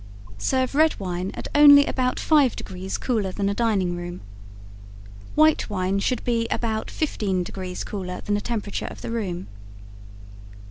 Serve red wine at only about 5 degrees cooler than the dining room. White wine should be about 15 degrees cooler than the temperature of the room.